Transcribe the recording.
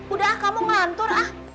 udah kamu ngantur ah